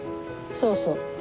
そうそう。